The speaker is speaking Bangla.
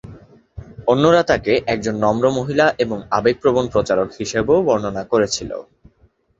অন্যরা তাকে একজন নম্র মহিলা এবং আবেগপ্রবণ প্রচারক হিসাবেও বর্ণনা করেছিল।